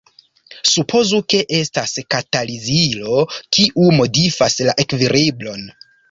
Supozu ke estas katalizilo kiu modifas la ekvilibron.